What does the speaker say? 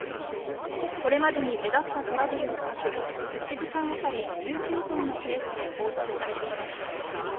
これまでに目立ったトラブルはなく、１時間当たり１９ｔのペースで放出されています。